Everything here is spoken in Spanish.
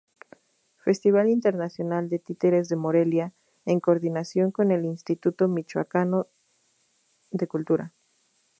Festival Internacional de Títeres de Morelia, en coordinación con el Instituto Michoacano de Cultura.